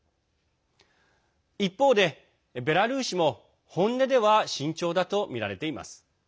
一方で、ベラルーシも本音では慎重だとみられています。